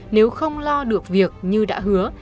nếu không lo được việc như đã hứa